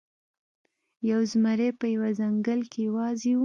یو زمری په یوه ځنګل کې یوازې و.